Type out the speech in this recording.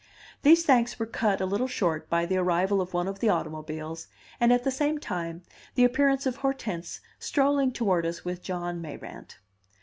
These thanks were cut a little short by the arrival of one of the automobiles, and, at the same time, the appearance of Hortense strolling toward us with John Mayrant.